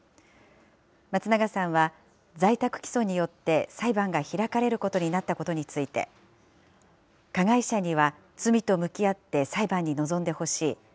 松永さんは、在宅起訴によって、裁判が開かれることになったことについて、加害者には罪と向き合って裁判に臨んでほしい。